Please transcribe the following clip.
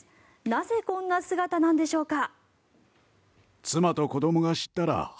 なぜ、こんな姿なんでしょうか。